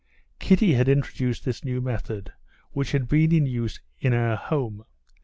Kitty had introduced this new method, which had been in use in her home.